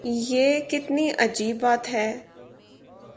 یہ کتنی عجیب بات ہے۔